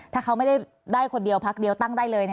ถ้าเขาไม่ได้ได้คนเดียวพักเดียวตั้งได้เลย